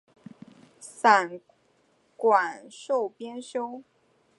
散馆授编修。